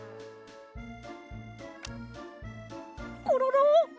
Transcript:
コロロ！